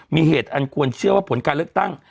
มีเหตุอันควรเชื่อว่าผลการเลือกตั้ง